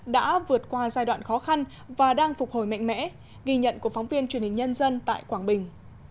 đã vượt qua giai đoạn khó khăn và đang phục hồi mạnh mẽ ghi nhận của phóng viên truyền hình nhân dân tại quảng bình